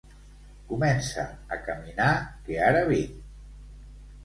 Comença a caminar que ara vinc.